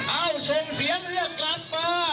เอ้าส่งเสียงเรียกกลับมา